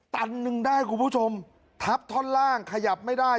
ตันหนึ่งได้คุณผู้ชมทับท่อนล่างขยับไม่ได้